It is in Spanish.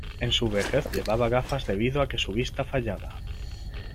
En su vejez llevaba gafas debido a que su vista fallaba.